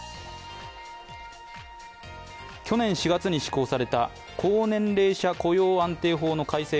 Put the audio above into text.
去年４月に施行された高年齢者雇用安定法の改正